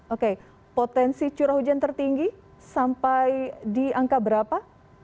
oke potensi curah hujan tertinggi sampai di angka berapa